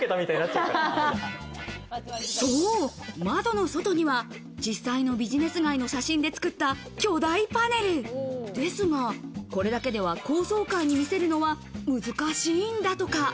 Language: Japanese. そう、窓の外には実際のビジネス街の写真で作った巨大パネルですが、これだけでは高層階に見せるのは難しいんだとか。